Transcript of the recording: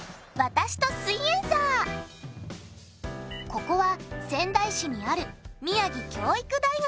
ここは仙台市にある宮城教育大学。